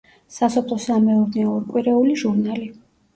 სასოფლო-სამეურნეო ორკვირეული ჟურნალი.